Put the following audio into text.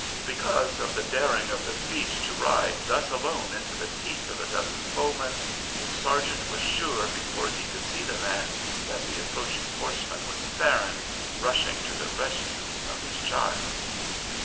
Because of the daring of the feat to ride thus alone into the teeth of a dozen foemen, the sergeant was sure, before he could see the man, that the approaching horseman was Farron, rushing to the rescue of his child.